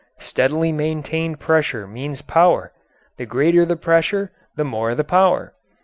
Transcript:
Steadily maintained pressure means power; the greater the pressure the more the power.